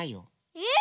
えっ？